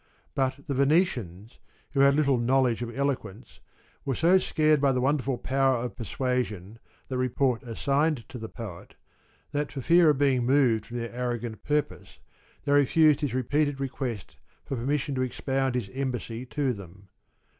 But the Venetians, who had little knowledge of eloquence, were so scared by the wonderful power of persuasion that report assigned to the poet, that for fear of being moved from their arrogant purpose they refused his repeated request for permission to expound his embassy to them.